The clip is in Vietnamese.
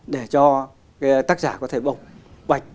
để cho tác giả có thể bộc bạch